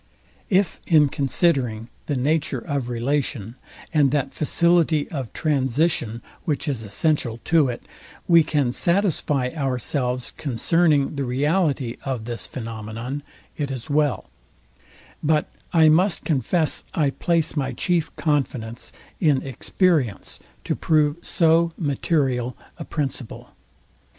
If in considering the nature of relation, and that facility of transition, which is essential to it, we can satisfy ourselves concerning the reality of this phænomenon, it is well: But I must confess I place my chief confidence in experience to prove so material a principle.